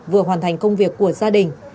vừa hoàn thành công việc của gia đình